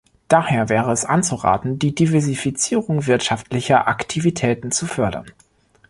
Daher wäre es anzuraten, die Diversifizierung wirtschaftlicher Aktivitäten zu fördern.